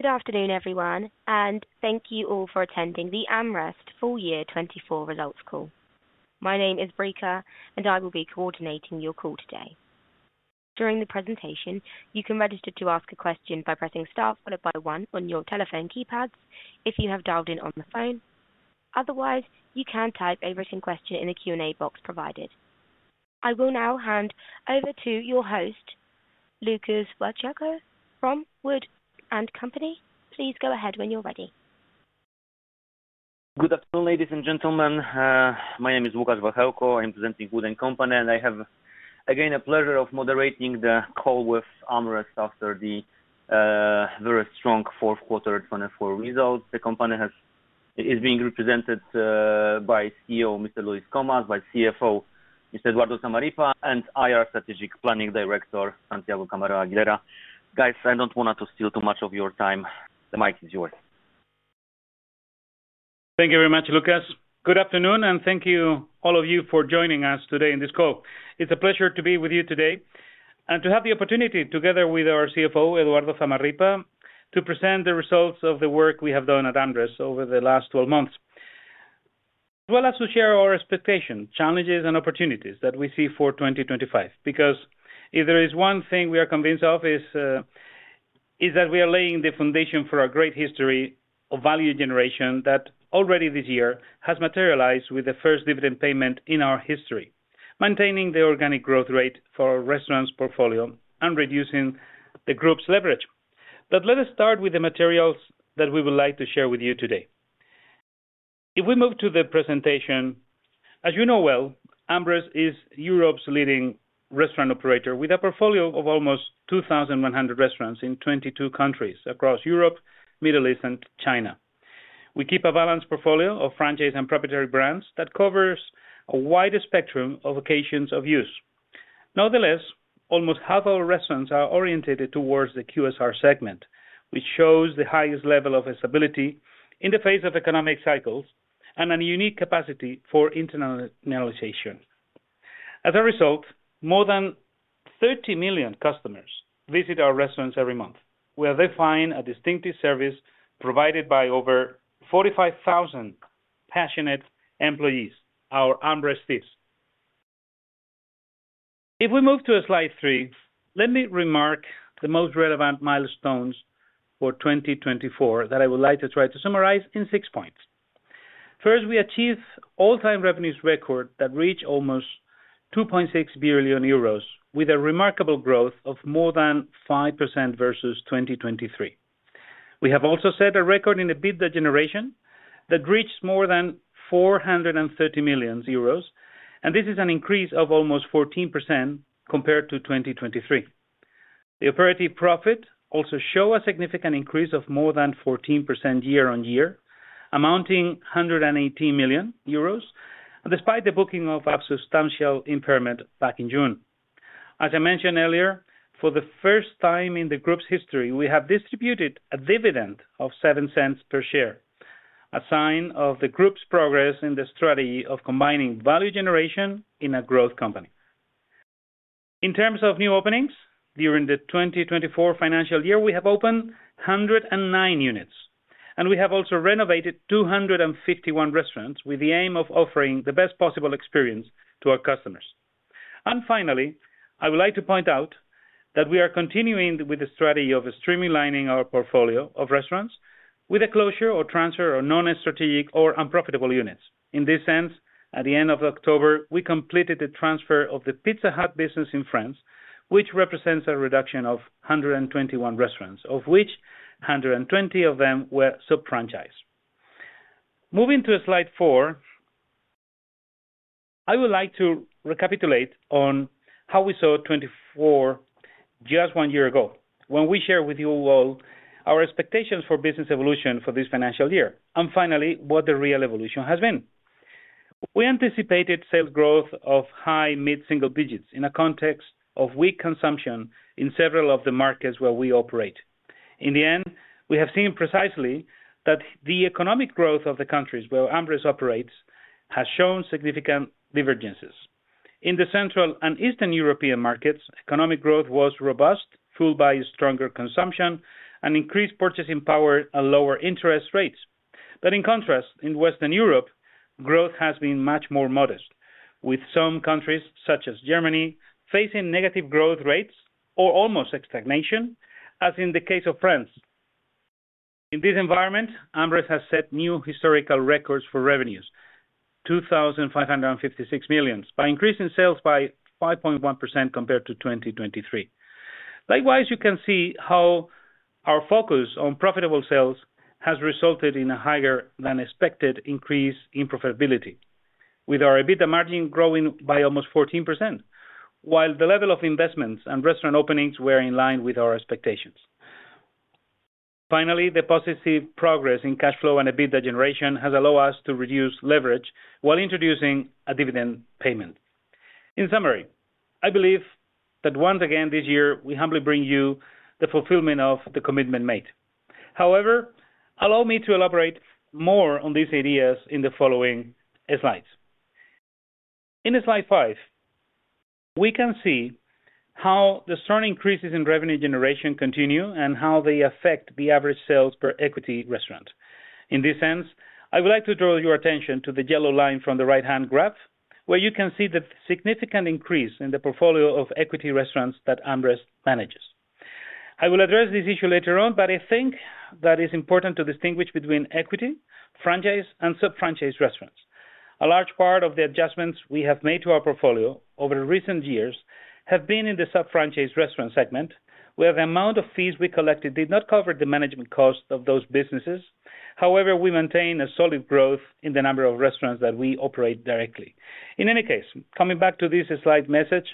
Good afternoon, everyone, and thank you all for attending the AmRest full year 2024 results call. My name is Brika, and I will be coordinating your call today. During the presentation, you can register to ask a question by pressing star followed by one on your telephone keypads if you have dialed in on the phone. Otherwise, you can type a written question in the Q&A box provided. I will now hand over to your Łukasz Wachełko, from WOOD & Company. Please go ahead when you're ready. Good afternoon, ladies and gentlemen. My name Łukasz Wachełko. I'm presenting WOOD & Company, and I have, again, the pleasure of moderating the call with AmRest after the very strong fourth quarter 2024 results. The company is being represented by CEO, Mr. Luis Comas, by CFO, Mr. Eduardo Zamarripa, and IR Strategic Planning Director, Santiago Camarero Aguilera. Guys, I don't want to steal too much of your time. The mic is yours. Thank you very much, Łukasz. Good afternoon, and thank you, all of you, for joining us today in this call. It's a pleasure to be with you today and to have the opportunity, together with our CFO, Eduardo Zamarripa, to present the results of the work we have done at AmRest over the last 12 months, as well as to share our expectations, challenges, and opportunities that we see for 2025. If there is one thing we are convinced of, it's that we are laying the foundation for a great history of value generation that already this year has materialized with the first dividend payment in our history, maintaining the organic growth rate for our restaurants' portfolio and reducing the group's leverage. Let us start with the materials that we would like to share with you today. If we move to the presentation, as you know well, AmRest is Europe's leading restaurant operator with a portfolio of almost 2,100 restaurants in 22 countries across Europe, the Middle East, and China. We keep a balanced portfolio of franchise and proprietary brands that covers a wide spectrum of occasions of use. Nonetheless, almost half of our restaurants are orientated towards the QSR segment, which shows the highest level of stability in the face of economic cycles and a unique capacity for internationalization. As a result, more than 30 million customers visit our restaurants every month, where they find a distinctive service provided by over 45,000 passionate employees, our AmRest steeps. If we move to slide three, let me remark on the most relevant milestones for 2024 that I would like to try to summarize in six points. First, we achieved an all-time revenue record that reached almost 2.6 billion euros, with a remarkable growth of more than 5% versus 2023. We have also set a record in the EBITDA generation that reached more than 430 million euros, and this is an increase of almost 14% compared to 2023. The operating profit also showed a significant increase of more than 14% year-on-year, amounting to 118 million euros, despite the booking of a substantial impairment back in June. As I mentioned earlier, for the first time in the group's history, we have distributed a dividend of 0.07 per share, a sign of the group's progress in the strategy of combining value generation in a growth company. In terms of new openings during the 2024 financial year, we have opened 109 units, and we have also renovated 251 restaurants with the aim of offering the best possible experience to our customers. Finally, I would like to point out that we are continuing with the strategy of streamlining our portfolio of restaurants with the closure or transfer of non-strategic or unprofitable units. In this sense, at the end of October, we completed the transfer of the Pizza Hut business in France, which represents a reduction of 121 restaurants, of which 120 of them were sub-franchised. Moving to slide four, I would like to recapitulate how we saw 2024 just one year ago, when we shared with you all our expectations for business evolution for this financial year, and finally, what the real evolution has been. We anticipated sales growth of high mid-single digits in a context of weak consumption in several of the markets where we operate. In the end, we have seen precisely that the economic growth of the countries where AmRest operates has shown significant divergences. In the Central and Eastern European markets, economic growth was robust, fueled by stronger consumption and increased purchasing power and lower interest rates. In contrast, in Western Europe, growth has been much more modest, with some countries, such as Germany, facing negative growth rates or almost stagnation, as in the case of France. In this environment, AmRest has set new historical records for revenues, 2,556 million, by increasing sales by 5.1% compared to 2023. Likewise, you can see how our focus on profitable sales has resulted in a higher-than-expected increase in profitability, with our EBITDA margin growing by almost 14%, while the level of investments and restaurant openings were in line with our expectations. Finally, the positive progress in cash flow and EBITDA generation has allowed us to reduce leverage while introducing a dividend payment. In summary, I believe that once again this year, we humbly bring you the fulfillment of the commitment made. However, allow me to elaborate more on these ideas in the following slides. In slide five, we can see how the strong increases in revenue generation continue and how they affect the average sales per equity restaurant. In this sense, I would like to draw your attention to the yellow line from the right-hand graph, where you can see the significant increase in the portfolio of equity restaurants that AmRest manages. I will address this issue later on, but I think that it's important to distinguish between equity, franchise, and sub-franchise restaurants. A large part of the adjustments we have made to our portfolio over recent years have been in the sub-franchise restaurant segment, where the amount of fees we collected did not cover the management cost of those businesses. However, we maintain a solid growth in the number of restaurants that we operate directly. In any case, coming back to this slide message,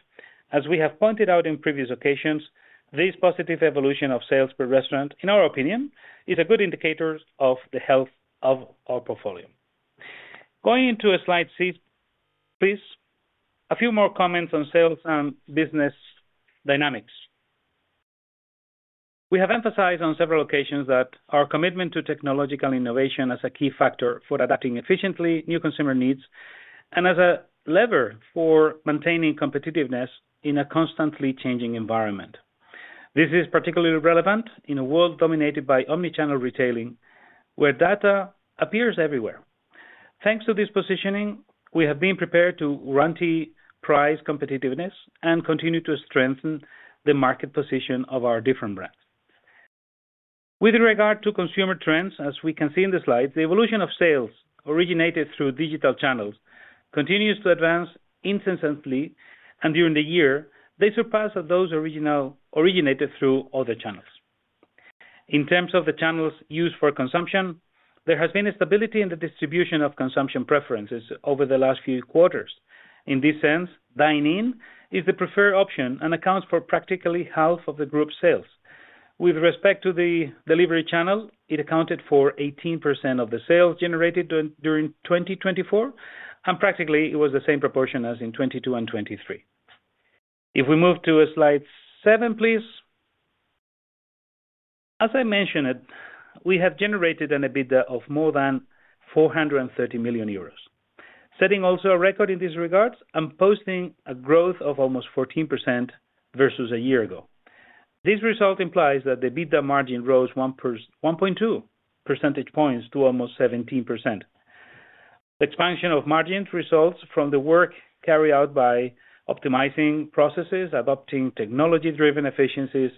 as we have pointed out in previous occasions, this positive evolution of sales per restaurant, in our opinion, is a good indicator of the health of our portfolio. Going into slide six, please, a few more comments on sales and business dynamics. We have emphasized on several occasions that our commitment to technological innovation is a key factor for adapting efficiently to new consumer needs and as a lever for maintaining competitiveness in a constantly changing environment. This is particularly relevant in a world dominated by omnichannel retailing, where data appears everywhere. Thanks to this positioning, we have been prepared to guarantee price competitiveness and continue to strengthen the market position of our different brands. With regard to consumer trends, as we can see in the slides, the evolution of sales originated through digital channels continues to advance instantly, and during the year, they surpassed those originated through other channels. In terms of the channels used for consumption, there has been a stability in the distribution of consumption preferences over the last few quarters. In this sense, dine-in is the preferred option and accounts for practically half of the group's sales. With respect to the delivery channel, it accounted for 18% of the sales generated during 2024, and practically, it was the same proportion as in 2022 and 2023. If we move to slide seven, please. As I mentioned, we have generated an EBITDA of more than 430 million euros, setting also a record in this regard and posting a growth of almost 14% versus a year ago. This result implies that the EBITDA margin rose 1.2 percentage points to almost 17%. Expansion of margins results from the work carried out by optimizing processes, adopting technology-driven efficiencies,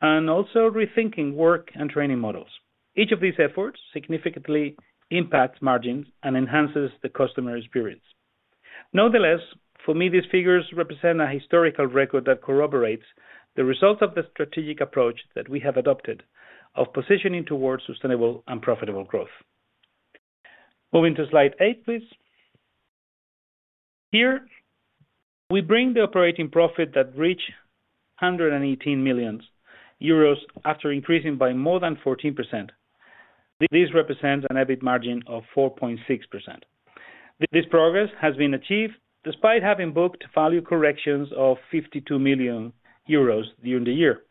and also rethinking work and training models. Each of these efforts significantly impacts margins and enhances the customer experience. Nonetheless, for me, these figures represent a historical record that corroborates the results of the strategic approach that we have adopted of positioning towards sustainable and profitable growth. Moving to slide eight, please. Here, we bring the operating profit that reached 118 million euros after increasing by more than 14%. This represents an EBIT margin of 4.6%. This progress has been achieved despite having booked value corrections of 52 million euros during the year.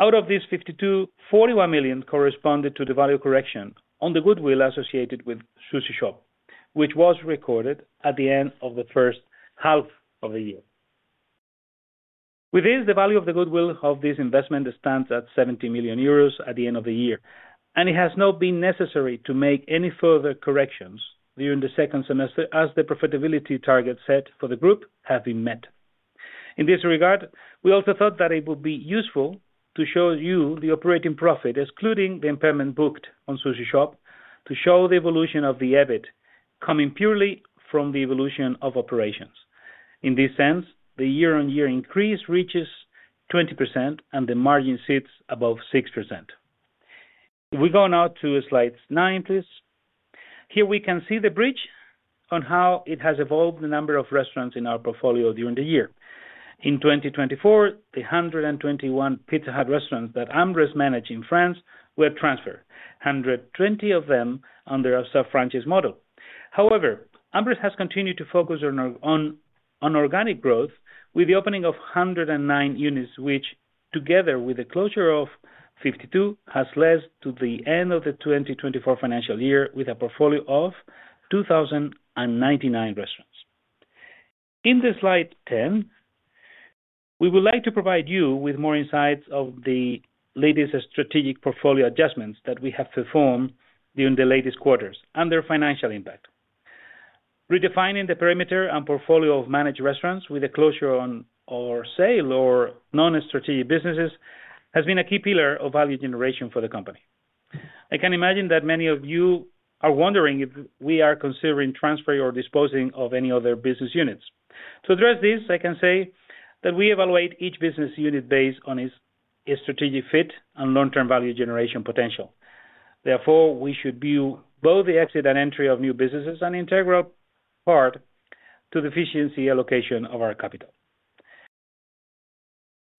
Out of these 52 million, 41 million corresponded to the value correction on the goodwill associated with Sushi Shop, which was recorded at the end of the first half of the year. With this, the value of the goodwill of this investment stands at 70 million euros at the end of the year, and it has not been necessary to make any further corrections during the second semester as the profitability targets set for the group have been met. In this regard, we also thought that it would be useful to show you the operating profit, excluding the impairment booked on Sushi Shop, to show the evolution of the EBIT coming purely from the evolution of operations. In this sense, the year-on-year increase reaches 20%, and the margin sits above 6%. We go now to slide nine, please. Here, we can see the bridge on how it has evolved the number of restaurants in our portfolio during the year. In 2024, the 121 Pizza Hut restaurants that AmRest managed in France were transferred, 120 of them under a sub-franchise model. However, AmRest has continued to focus on organic growth with the opening of 109 units, which, together with the closure of 52, has led to the end of the 2024 financial year with a portfolio of 2,099 restaurants. In slide ten, we would like to provide you with more insights on the latest strategic portfolio adjustments that we have performed during the latest quarters and their financial impact. Redefining the perimeter and portfolio of managed restaurants with the closure or sale of non-strategic businesses has been a key pillar of value generation for the company. I can imagine that many of you are wondering if we are considering transferring or disposing of any other business units. To address this, I can say that we evaluate each business unit based on its strategic fit and long-term value generation potential. Therefore, we should view both the exit and entry of new businesses as an integral part of the efficiency allocation of our capital.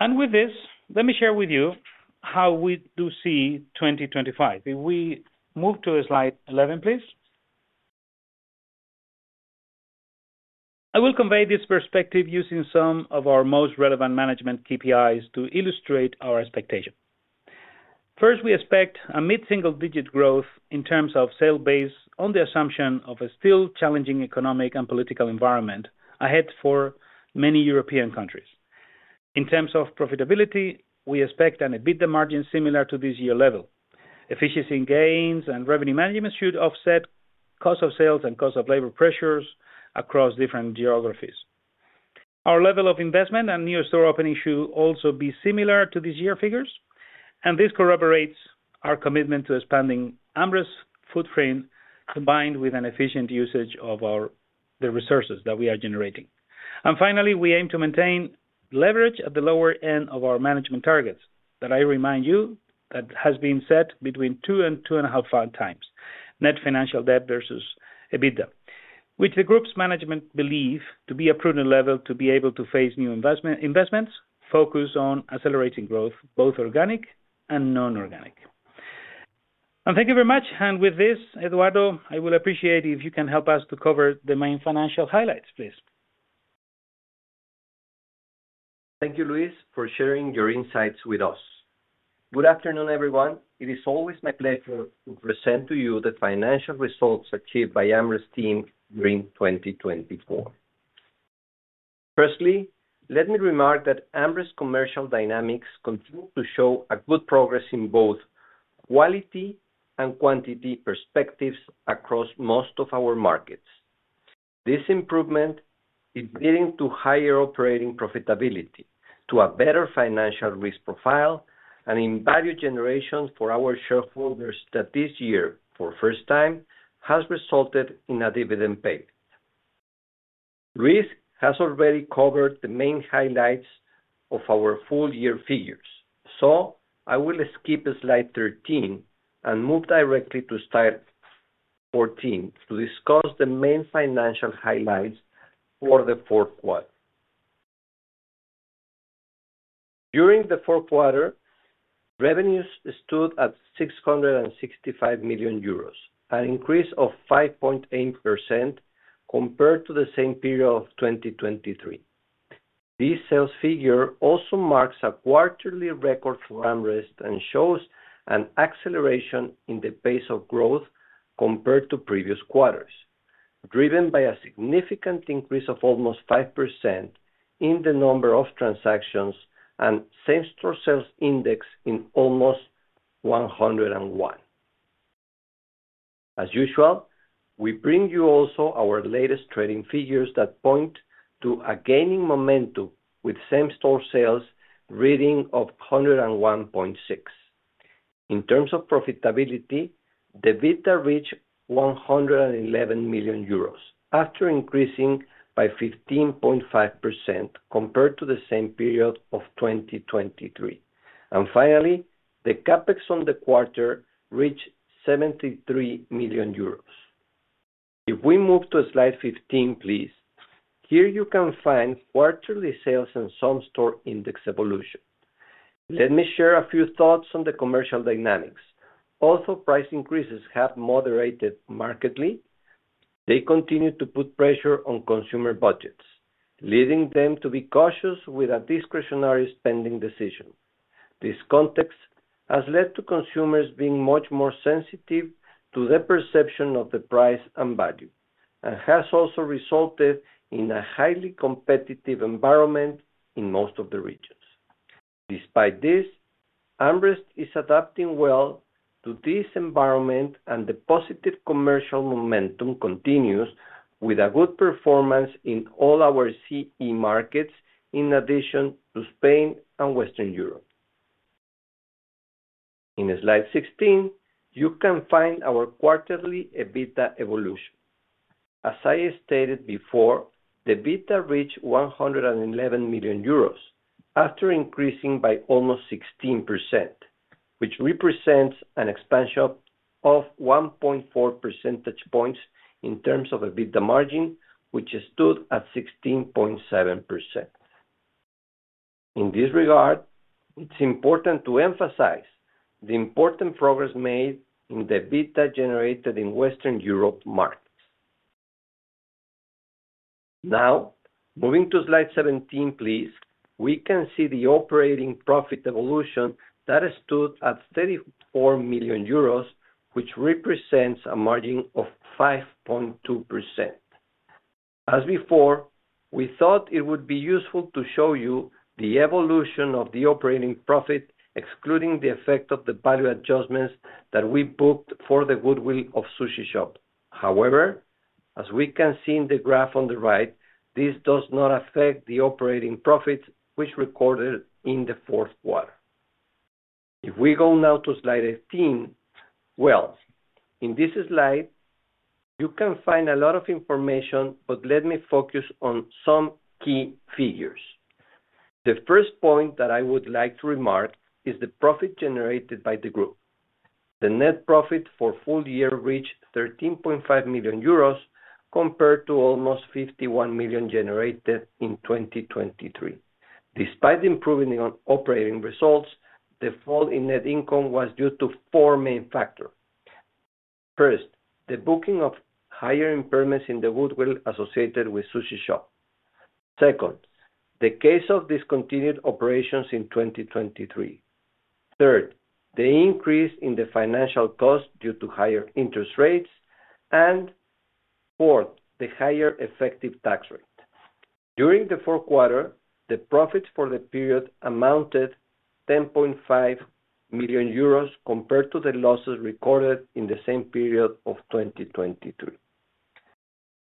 With this, let me share with you how we do see 2025. If we move to slide 11, please. I will convey this perspective using some of our most relevant management KPIs to illustrate our expectation. First, we expect a mid-single-digit growth in terms of sale base on the assumption of a still challenging economic and political environment ahead for many European countries. In terms of profitability, we expect an EBITDA margin similar to this year level. Efficiency in gains and revenue management should offset cost of sales and cost of labor pressures across different geographies. Our level of investment and new store openings should also be similar to this year figures, and this corroborates our commitment to expanding AmRest's footprint combined with an efficient usage of the resources that we are generating. Finally, we aim to maintain leverage at the lower end of our management targets that I remind you that has been set between 2 and 2.5 times, net financial debt versus EBITDA, which the group's management believes to be a prudent level to be able to face new investments focused on accelerating growth, both organic and non-organic. Thank you very much. With this, Eduardo, I would appreciate it if you can help us to cover the main financial highlights, please. Thank you, Luis, for sharing your insights with us. Good afternoon, everyone. It is always my pleasure to present to you the financial results achieved by AmRest's team during 2024. Firstly, let me remark that AmRest's commercial dynamics continue to show good progress in both quality and quantity perspectives across most of our markets. This improvement is leading to higher operating profitability, to a better financial risk profile, and in value generation for our shareholders that this year, for the first time, has resulted in a dividend payment. Luis has already covered the main highlights of our full-year figures, so I will skip slide 13 and move directly to slide 14 to discuss the main financial highlights for the fourth quarter. During the fourth quarter, revenues stood at 665 million euros, an increase of 5.8% compared to the same period of 2023. This sales figure also marks a quarterly record for AmRest and shows an acceleration in the pace of growth compared to previous quarters, driven by a significant increase of almost 5% in the number of transactions and same-store sales index in almost 101. As usual, we bring you also our latest trading figures that point to a gaining momentum with same-store sales reading of 101.6. In terms of profitability, the EBITDA reached 111 million euros after increasing by 15.5% compared to the same period of 2023. Finally, the CapEx on the quarter reached 73 million euros. If we move to slide 15, please. Here you can find quarterly sales and some store index evolution. Let me share a few thoughts on the commercial dynamics. Although price increases have moderated markedly, they continue to put pressure on consumer budgets, leading them to be cautious with a discretionary spending decision. This context has led to consumers being much more sensitive to the perception of the price and value, and has also resulted in a highly competitive environment in most of the regions. Despite this, AmRest is adapting well to this environment, and the positive commercial momentum continues with good performance in all our CE markets, in addition to Spain and Western Europe. In slide 16, you can find our quarterly EBITDA evolution. As I stated before, the EBITDA reached 111 million euros after increasing by almost 16%, which represents an expansion of 1.4 percentage points in terms of EBITDA margin, which stood at 16.7%. In this regard, it's important to emphasize the important progress made in the EBITDA generated in Western Europe markets. Now, moving to slide 17, please, we can see the operating profit evolution that stood at 34 million euros, which represents a margin of 5.2%. As before, we thought it would be useful to show you the evolution of the operating profit, excluding the effect of the value adjustments that we booked for the goodwill of Sushi Shop. However, as we can see in the graph on the right, this does not affect the operating profits recorded in the fourth quarter. If we go now to slide 18, in this slide, you can find a lot of information, but let me focus on some key figures. The first point that I would like to remark is the profit generated by the group. The net profit for full year reached 13.5 million euros compared to almost 51 million generated in 2023. Despite improving operating results, the fall in net income was due to four main factors. First, the booking of higher impairments in the goodwill associated with Sushi Shop. Second, the case of discontinued operations in 2023. Third, the increase in the financial cost due to higher interest rates. Fourth, the higher effective tax rate. During the fourth quarter, the profits for the period amounted to 10.5 million euros compared to the losses recorded in the same period of 2023.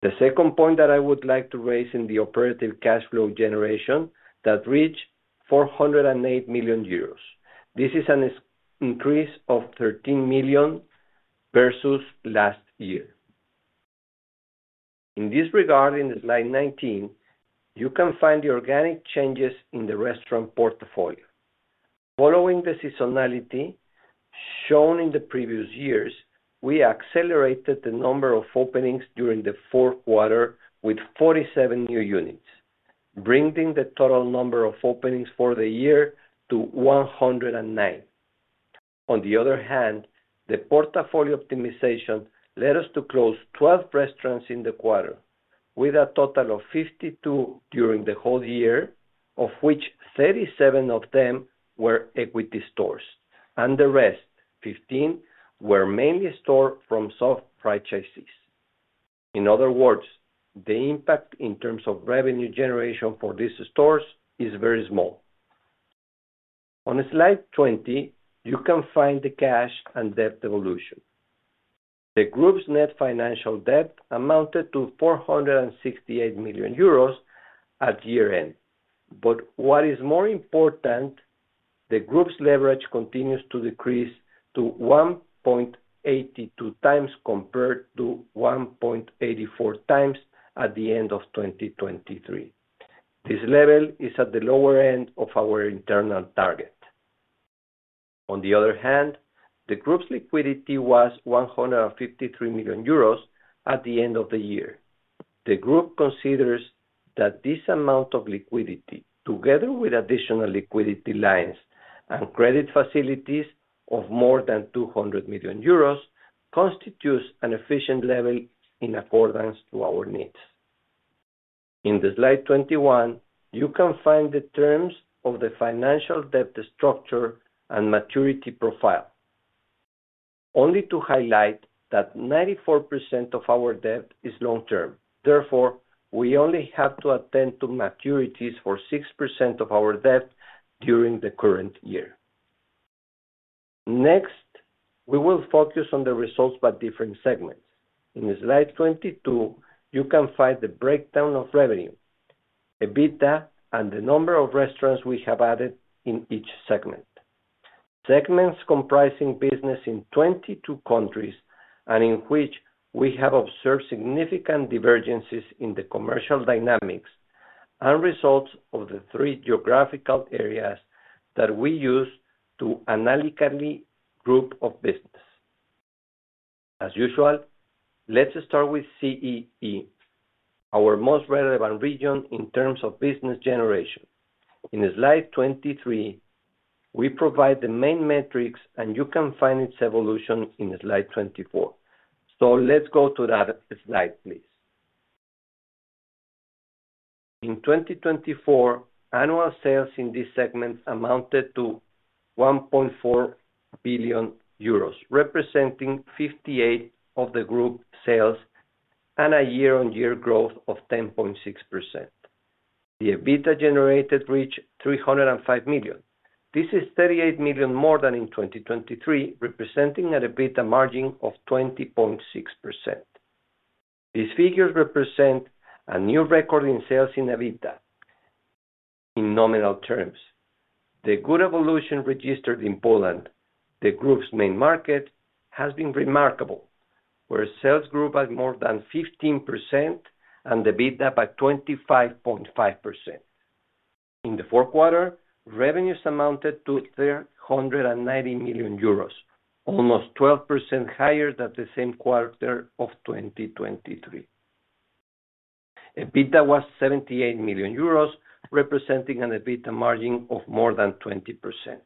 The second point that I would like to raise is the operative cash flow generation that reached 408 million euros. This is an increase of 13 million versus last year. In this regard, in slide 19, you can find the organic changes in the restaurant portfolio. Following the seasonality shown in the previous years, we accelerated the number of openings during the fourth quarter with 47 new units, bringing the total number of openings for the year to 109. On the other hand, the portfolio optimization led us to close 12 restaurants in the quarter, with a total of 52 during the whole year, of which 37 of them were equity stores, and the rest, 15, were mainly stores from sub-franchisees. In other words, the impact in terms of revenue generation for these stores is very small. On slide 20, you can find the cash and debt evolution. The group's net financial debt amounted to 468 million euros at year-end. What is more important, the group's leverage continues to decrease to 1.82 times compared to 1.84 times at the end of 2023. This level is at the lower end of our internal target. On the other hand, the group's liquidity was 153 million euros at the end of the year. The group considers that this amount of liquidity, together with additional liquidity lines and credit facilities of more than 200 million euros, constitutes an efficient level in accordance to our needs. In slide 21, you can find the terms of the financial debt structure and maturity profile. Only to highlight that 94% of our debt is long-term. Therefore, we only have to attend to maturities for 6% of our debt during the current year. Next, we will focus on the results by different segments. In slide 22, you can find the breakdown of revenue, EBITDA, and the number of restaurants we have added in each segment. Segments comprising businesses in 22 countries and in which we have observed significant divergences in the commercial dynamics and results of the three geographical areas that we use to analytically group businesses. As usual, let's start with CEE, our most relevant region in terms of business generation. In slide 23, we provide the main metrics, and you can find its evolution in slide 24. Let's go to that slide, please. In 2024, annual sales in this segment amounted to 1.4 billion euros, representing 58% of the group sales and a year-on-year growth of 10.6%. The EBITDA generated reached 305 million. This is 38 million more than in 2023, representing an EBITDA margin of 20.6%. These figures represent a new record in sales and EBITDA. In nominal terms, the good evolution registered in Poland, the group's main market, has been remarkable, where sales grew by more than 15% and EBITDA by 25.5%. In the fourth quarter, revenues amounted to 390 million euros, almost 12% higher than the same quarter of 2023. EBITDA was 78 million euros, representing an EBITDA margin of more than 20%.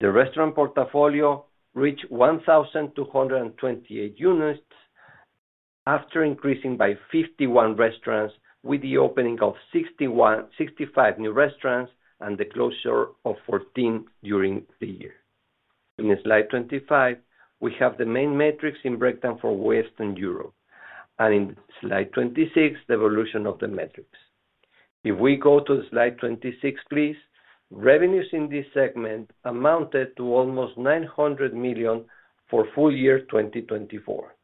The restaurant portfolio reached 1,228 units after increasing by 51 restaurants, with the opening of 65 new restaurants and the closure of 14 during the year. In slide 25, we have the main metrics in breakdown for Western Europe, and in slide 26, the evolution of the metrics. If we go to slide 26, please, revenues in this segment amounted to almost 900 million for full year 2024.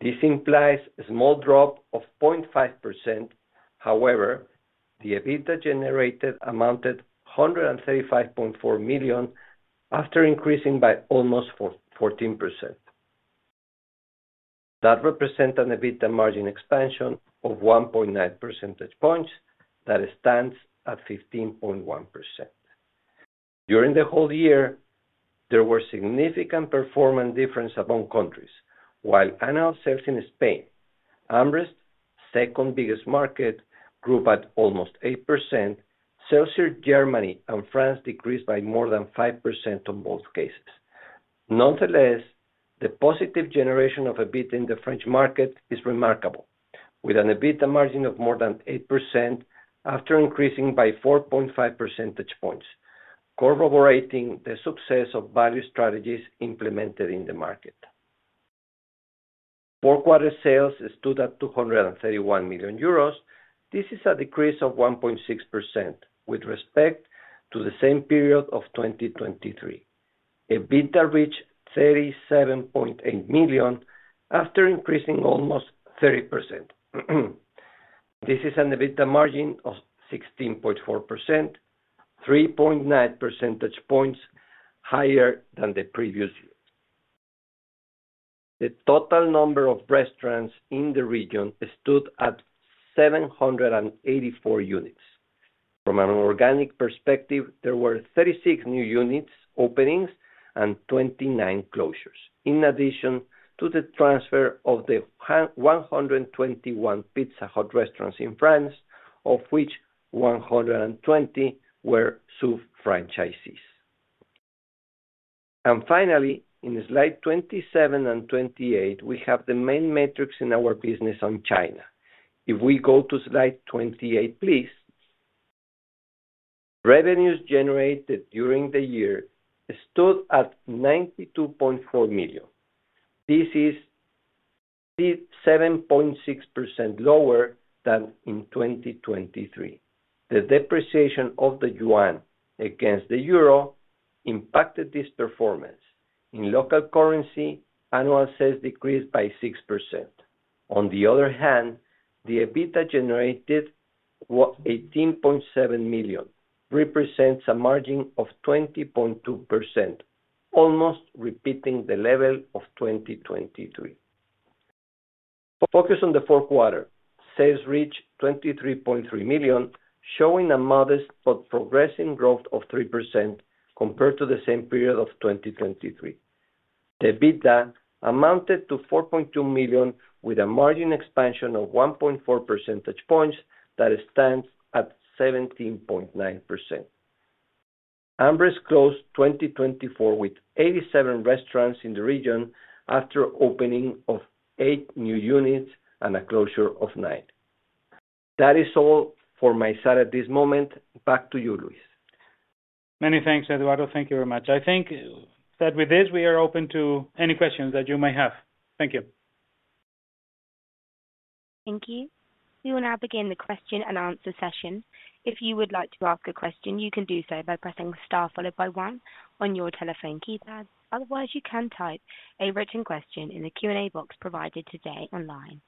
This implies a small drop of 0.5%. However, the EBITDA generated amounted to 135.4 million after increasing by almost 14%. That represents an EBITDA margin expansion of 1.9 percentage points that stands at 15.1%. During the whole year, there were significant performance differences among countries. While annual sales in Spain, AmRest, second biggest market, grew by almost 8%, sales in Germany and France decreased by more than 5% in both cases. Nonetheless, the positive generation of EBITDA in the French market is remarkable, with an EBITDA margin of more than 8% after increasing by 4.5 percentage points, corroborating the success of value strategies implemented in the market. Fourth quarter sales stood at 231 million euros. This is a decrease of 1.6% with respect to the same period of 2023. EBITDA reached 37.8 million after increasing almost 30%. This is an EBITDA margin of 16.4%, 3.9 percentage points higher than the previous year. The total number of restaurants in the region stood at 784 units. From an organic perspective, there were 36 new units opening and 29 closures, in addition to the transfer of the 121 Pizza Hut restaurants in France, of which 120 were sub-franchisees. Finally, in slide 27 and 28, we have the main metrics in our business on China. If we go to slide 28, please, revenues generated during the year stood at 92.4 million. This is 7.6% lower than in 2023. The depreciation of the yuan against the euro impacted this performance. In local currency, annual sales decreased by 6%. On the other hand, the EBITDA generated 18.7 million represents a margin of 20.2%, almost repeating the level of 2023. Focus on the fourth quarter. Sales reached 23.3 million, showing a modest but progressive growth of 3% compared to the same period of 2023. The EBITDA amounted to 4.2 million, with a margin expansion of 1.4 percentage points that stands at 17.9%. AmRest closed 2024 with 87 restaurants in the region after opening of eight new units and a closure of nine. That is all for my side at this moment. Back to you, Luis. Many thanks, Eduardo. Thank you very much. I think that with this, we are open to any questions that you may have. Thank you. Thank you. We will now begin the question and answer session. If you would like to ask a question, you can do so by pressing the star followed by one on your telephone keypad. Otherwise, you can type a written question in the Q&A box provided today online.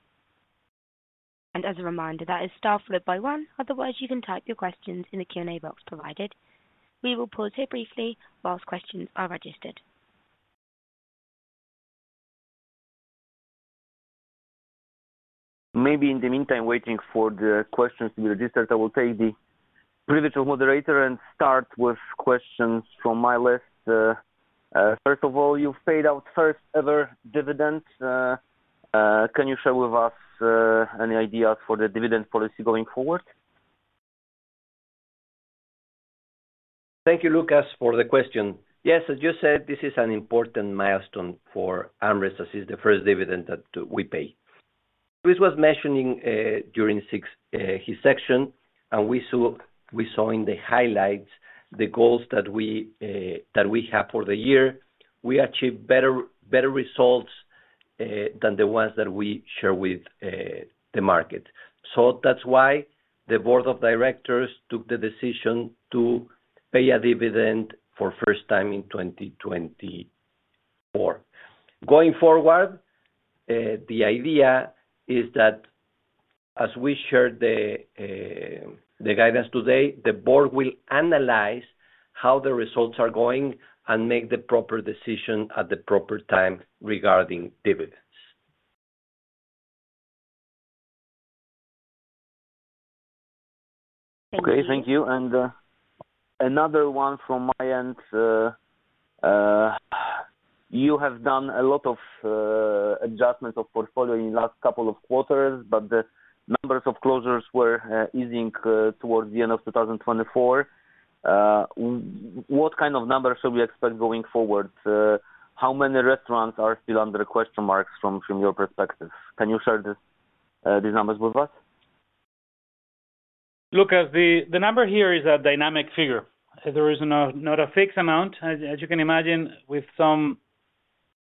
As a reminder, that is star followed by one. Otherwise, you can type your questions in the Q&A box provided. We will pause here briefly whilst questions are registered. Maybe in the meantime, waiting for the questions to be registered, I will take the privilege of moderator and start with questions from my list. First of all, you've paid out first-ever dividends. Can you share with us any ideas for the dividend policy going forward? Thank you, Łukasz, for the question. Yes, as you said, this is an important milestone for AmRest. This is the first dividend that we pay. Luis was mentioning during his section, and we saw in the highlights the goals that we have for the year. We achieved better results than the ones that we share with the market. That is why the board of directors took the decision to pay a dividend for the first time in 2024. Going forward, the idea is that as we shared the guidance today, the board will analyze how the results are going and make the proper decision at the proper time regarding dividends. Thank you. Okay, thank you. Another one from my end. You have done a lot of adjustments of portfolio in the last couple of quarters, but the numbers of closures were easing towards the end of 2024. What kind of numbers should we expect going forward? How many restaurants are still under question marks from your perspective? Can you share these numbers with us? Łukasz, the number here is a dynamic figure. There is not a fixed amount. As you can imagine, with some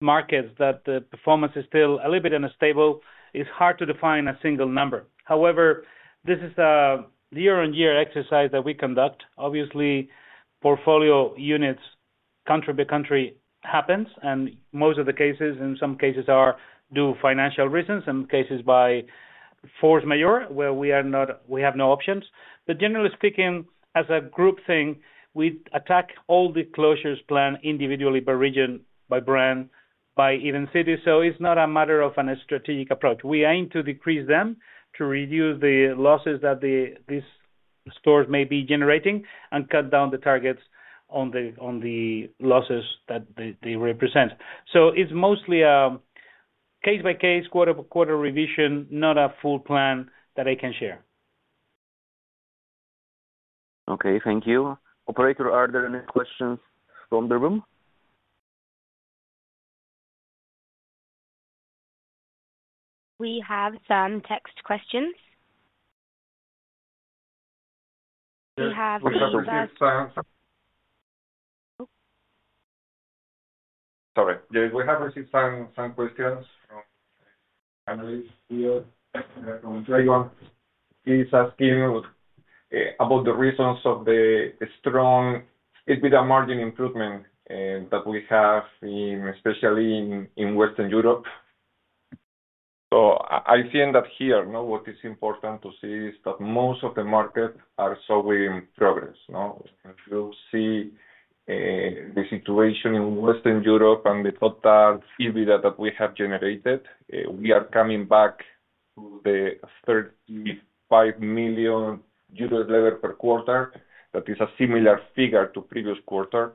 markets that the performance is still a little bit unstable, it's hard to define a single number. However, this is a year-on-year exercise that we conduct. Obviously, portfolio units country by country happen, and most of the cases, in some cases, are due to financial reasons, in cases by force majeure, where we have no options. Generally speaking, as a group thing, we attack all the closures planned individually by region, by brand, by even city. It is not a matter of a strategic approach. We aim to decrease them to reduce the losses that these stores may be generating and cut down the targets on the losses that they represent. It is mostly a case-by-case, quarter-by-quarter revision, not a full plan that I can share. Okay, thank you. Operator, are there any questions from the room? We have some text questions. We have received some. Sorry. We have received some questions from Dragon. He is asking about the reasons of the strong EBITDA margin improvement that we have, especially in Western Europe. I think that here, what is important to see is that most of the markets are showing progress. You see the situation in Western Europe and the total EBITDA that we have generated. We are coming back to the 35 million euros level per quarter. That is a similar figure to the previous quarter.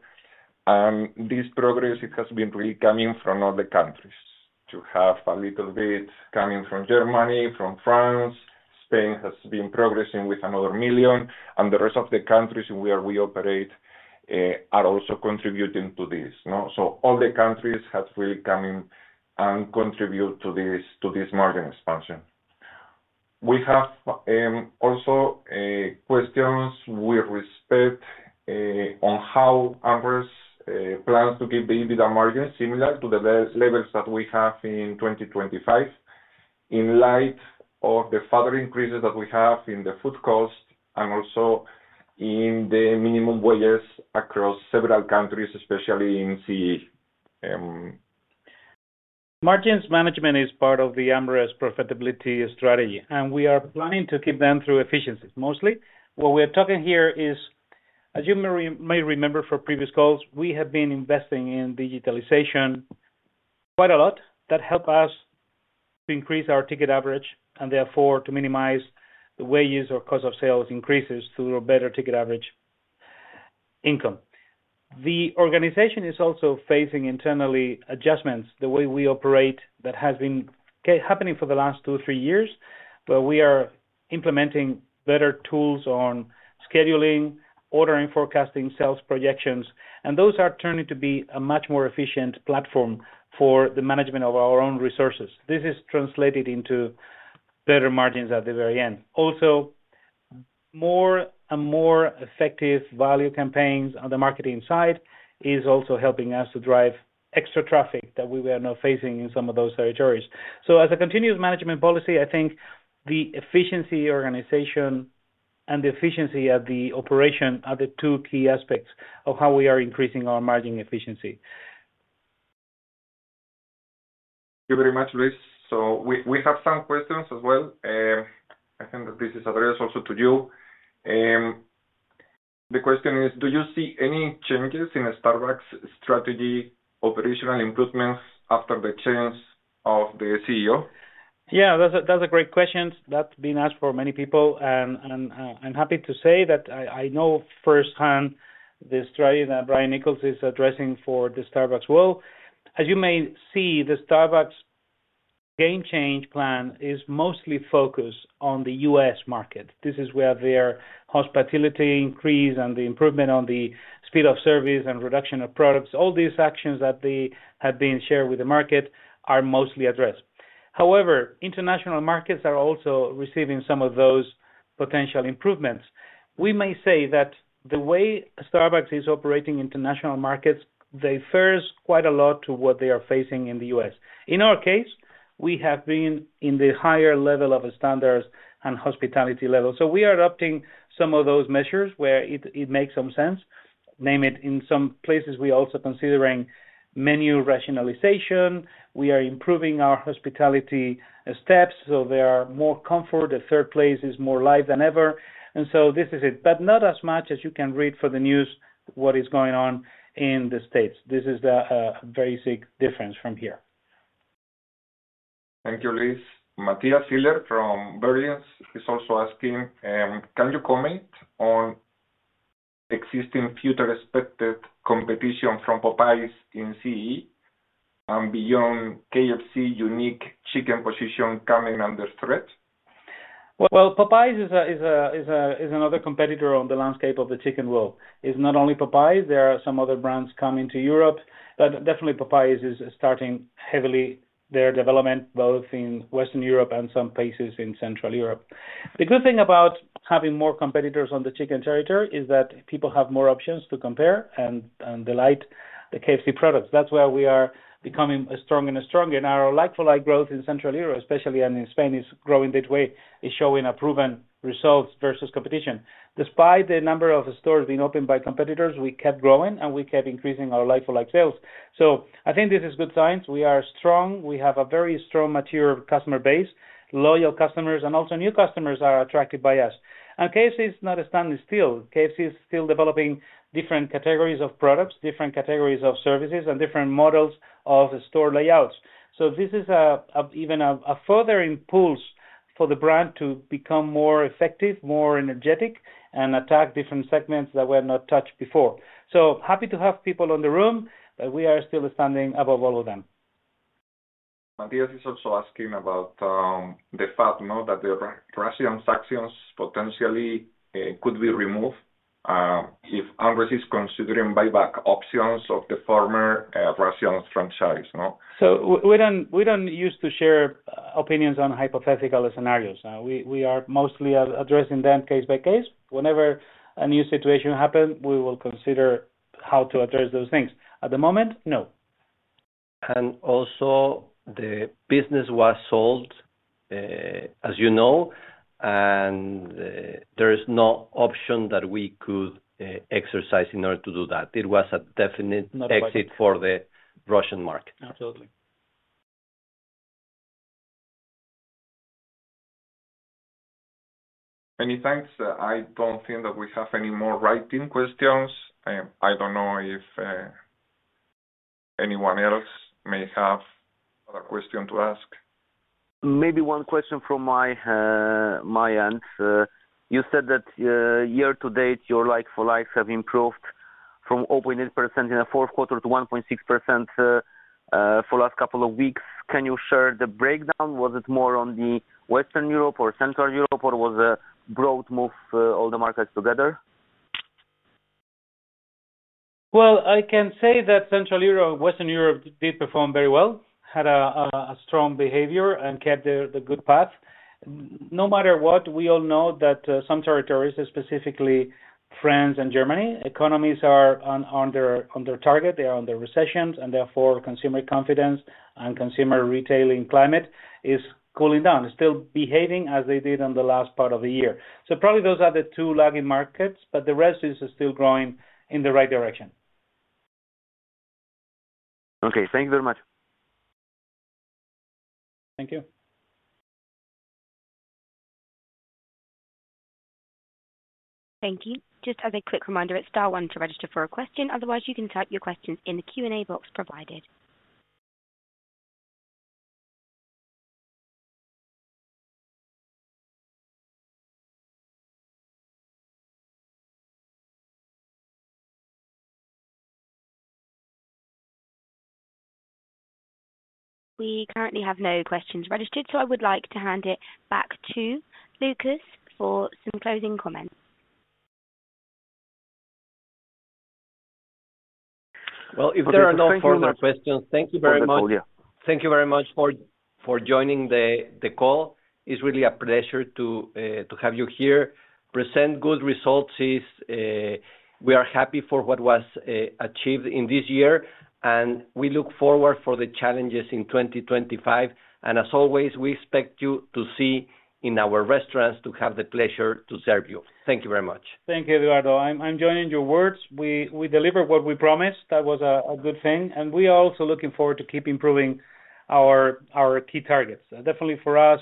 This progress has been really coming from other countries, to have a little bit coming from Germany, from France. Spain has been progressing with another million. The rest of the countries where we operate are also contributing to this. All the countries have really come in and contributed to this margin expansion. We have also questions with respect to how AmRest plans to keep the EBITDA margin similar to the levels that we have in 2025, in light of the further increases that we have in the food cost and also in the minimum wages across several countries, especially in CE. Margins management is part of the AmRest profitability strategy, and we are planning to keep them through efficiencies, mostly. What we are talking here is, as you may remember from previous calls, we have been investing in digitalization quite a lot that helps us to increase our ticket average and therefore to minimize the wages or cost of sales increases through a better ticket average income. The organization is also facing internally adjustments. The way we operate that has been happening for the last two or three years, where we are implementing better tools on scheduling, ordering, forecasting, sales projections. Those are turning to be a much more efficient platform for the management of our own resources. This is translated into better margins at the very end. Also, more and more effective value campaigns on the marketing side are also helping us to drive extra traffic that we are now facing in some of those territories. As a continuous management policy, I think the efficiency organization and the efficiency at the operation are the two key aspects of how we are increasing our margin efficiency. Thank you very much, Luis. We have some questions as well. I think that this is addressed also to you. The question is, do you see any changes in Starbucks' strategy operational improvements after the change of the CEO? Yeah, that's a great question that's been asked for many people. I'm happy to say that I know firsthand the strategy that Brian Nichols is addressing for the Starbucks world. As you may see, the Starbucks game change plan is mostly focused on the US market. This is where their hospitality increase and the improvement on the speed of service and reduction of products, all these actions that have been shared with the market, are mostly addressed. However, international markets are also receiving some of those potential improvements. We may say that the way Starbucks is operating international markets differs quite a lot from what they are facing in the U.S. In our case, we have been in the higher level of standards and hospitality level. We are adopting some of those measures where it makes some sense. Name it. In some places, we are also considering menu rationalization. We are improving our hospitality steps, so there is more comfort. The third place is more live than ever. This is it. Not as much as you can read from the news what is going on in the States. This is a very big difference from here. Thank you, Luis. Matthias Ziller from Berlin is also asking, can you comment on existing future expected competition from Popeye’s in CE and beyond KFC unique chicken position coming under threat? Popeye’s is another competitor on the landscape of the chicken world. It's not only Popeye’s. There are some other brands coming to Europe. Popeye’s is starting heavily their development, both in Western Europe and some places in Central Europe. The good thing about having more competitors on the chicken territory is that people have more options to compare and delight the KFC products. That's where we are becoming stronger and stronger. Our like-for-like growth in Central Europe, especially, and in Spain is growing this way, is showing proven results versus competition. Despite the number of stores being opened by competitors, we kept growing and we kept increasing our like-for-like sales. I think this is good signs. We are strong. We have a very strong mature customer base. Loyal customers and also new customers are attracted by us. KFC is not standing still. KFC is still developing different categories of products, different categories of services, and different models of store layouts. This is even a further impulse for the brand to become more effective, more energetic, and attack different segments that were not touched before. Happy to have people in the room, but we are still standing above all of them. Matthias is also asking about the fact that the rations actions potentially could be removed if AmRest is considering buyback options of the former rations franchise. We do not use to share opinions on hypothetical scenarios. We are mostly addressing them case by case. Whenever a new situation happens, we will consider how to address those things. At the moment, no. Also, the business was sold, as you know, and there is no option that we could exercise in order to do that. It was a definite exit for the Russian market. Absolutely. Many thanks? I don't think that we have any more writing questions. I don't know if anyone else may have a question to ask. Maybe one question from my end. You said that year to date, your like-for-likes have improved from 0.8% in the fourth quarter to 1.6% for the last couple of weeks. Can you share the breakdown? Was it more on the Western Europe or Central Europe, or was it a broad move, all the markets together? I can say that Central Europe and Western Europe did perform very well, had a strong behavior, and kept the good path. No matter what, we all know that some territories, specifically France and Germany, economies are on their target. They are on their recessions, and therefore, consumer confidence and consumer retailing climate is cooling down. It's still behaving as they did in the last part of the year. Probably those are the two lagging markets, but the rest is still growing in the right direction. Okay, thank you very much. Thank you. Thank you. Just as a quick reminder, it's Star One to register for a question. Otherwise, you can type your questions in the Q&A box provided. We currently have no questions registered, so I would like to hand it back to Łukasz for some closing comments. If there are no further questions, thank you very much. Thank you very much for joining the call. It's really a pleasure to have you here. Present good results. We are happy for what was achieved in this year, and we look forward to the challenges in 2025. As always, we expect you to see in our restaurants to have the pleasure to serve you. Thank you very much. Thank you, Eduardo. I'm joining your words. We delivered what we promised. That was a good thing. We are also looking forward to keep improving our key targets. Definitely for us,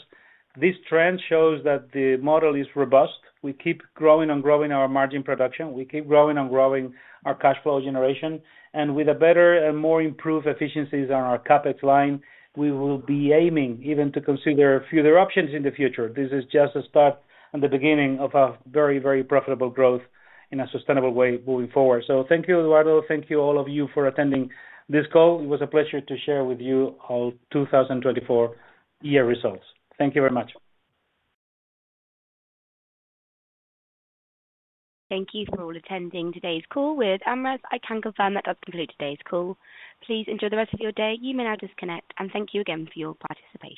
this trend shows that the model is robust. We keep growing and growing our margin production. We keep growing and growing our cash flow generation. With better and more improved efficiencies on our CapEx line, we will be aiming even to consider fewer options in the future. This is just a start and the beginning of a very, very profitable growth in a sustainable way moving forward. Thank you, Eduardo. Thank you, all of you, for attending this call. It was a pleasure to share with you all 2024 year results. Thank you very much. Thank you for all attending today's call. With AmRest, I can confirm that that's completed today's call. Please enjoy the rest of your day. You may now disconnect. Thank you again for your participation.